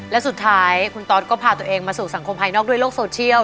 และสุดท้ายคุณตอสก็พาตัวเองมาสู่สังคมภายนอกด้วยโลกโซเชียล